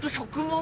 １００万⁉